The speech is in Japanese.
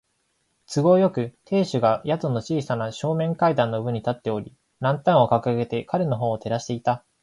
都合よく、亭主が宿の小さな正面階段の上に立っており、ランタンをかかげて彼のほうを照らしていた。